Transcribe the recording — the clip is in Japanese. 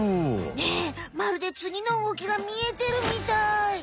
ねえまるでつぎの動きが見えてるみたい。